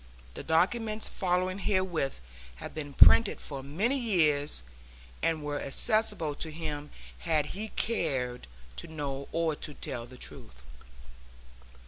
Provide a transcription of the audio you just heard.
The documents following herewith have been printed for many years, and were accessible to him had he cared to know or to tell the truth.